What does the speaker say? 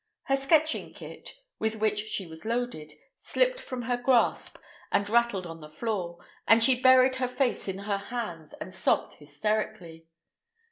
Her sketching "kit," with which she was loaded, slipped from her grasp and rattled on to the floor, and she buried her face in her hands and sobbed hysterically.